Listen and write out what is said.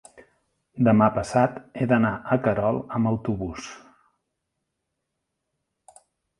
demà passat he d'anar a Querol amb autobús.